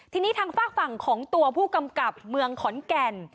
ทีนี้ทางฝากฝั่งของตัวผู้กำกับเมืองขอนแก่น